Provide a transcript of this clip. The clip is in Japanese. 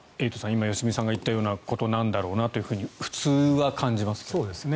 今、良純さんが言ったようなことなんだろうなと普通は感じますね。